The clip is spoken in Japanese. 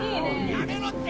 やめろって。